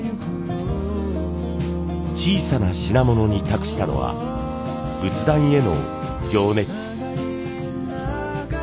小さな品物に託したのは仏壇への情熱。